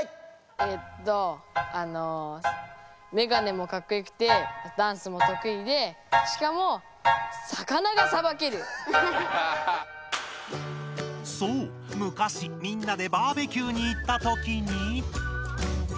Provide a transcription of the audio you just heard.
えっとあのメガネもかっこよくてダンスもとくいでしかもそうむかしみんなでバーベキューにいったときに。